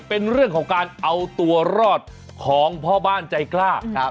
เป็นเรื่องของการเอาตัวรอดของพ่อบ้านใจกล้า